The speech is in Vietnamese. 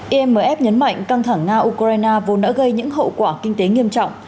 imf nhấn mạnh căng thẳng nga ukraine vô nỡ gây những hậu quả kinh tế nghiêm trọng